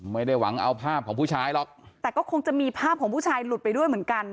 ไม่ได้หวังเอาภาพของผู้ชายหรอกแต่ก็คงจะมีภาพของผู้ชายหลุดไปด้วยเหมือนกัน